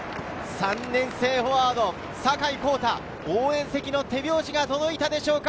３年生フォワード・坂井航太、応援席の手拍子が届いたでしょうか。